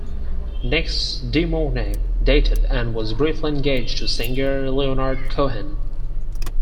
Next De Mornay dated and was briefly engaged to singer Leonard Cohen.